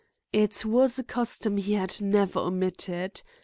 It was a custom he had never omitted.